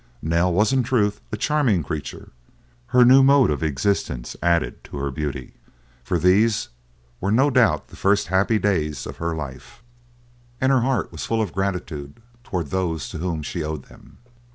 Nell was in truth a charming creature; her new mode of existence added to her beauty, for these were no doubt the first happy days of her life, and her heart was full of gratitude towards those to whom she owed them.